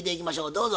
どうぞ。